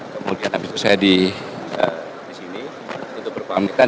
kemudian habis itu saya di sini itu berpamitan